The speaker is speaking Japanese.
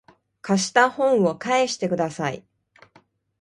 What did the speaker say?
貸した本を返してください